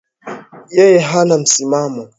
Yeye hana msimamo